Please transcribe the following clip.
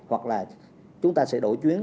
hoặc là chúng ta sẽ đổi chuyến